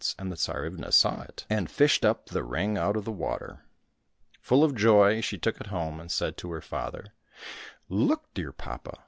" 24 OH: THE TSAR OF THE FOREST fished up the ring out of the water. Full of joy she took it home, and said to her father, " Look, dear papa